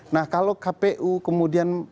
nah kalau kpu kemudian